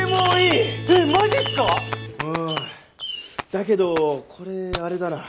だけどこれあれだな。